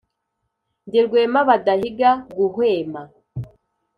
Ndi Rwema badahiga guhwema